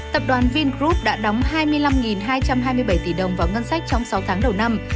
tập đoàn vingroup đã đóng hai mươi năm hai trăm hai mươi bảy tỷ đồng vào ngân sách trong sáu tháng đầu năm